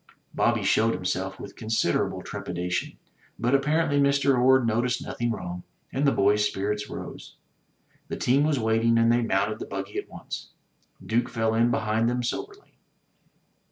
Bobby showed himself with considerable trepidation; but apparently Mr. Orde noticed nothing wrong, and the boy's spirits rose. The team was waiting, and they mounted the buggy at once. Duke fell in behind them soberly.